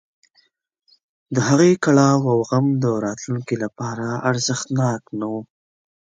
د هغې کړاو او غم د راتلونکي لپاره ارزښتناک نه و.